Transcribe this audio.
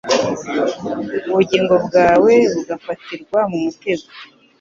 ubugingo bwawe bugafatirwa mu mutego